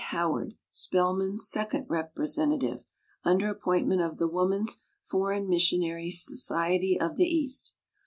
Howard, Spelman's second representative, under appointment NORA GORDON 49 of the Woman's Foreign Missionary Soci ety^ of the East.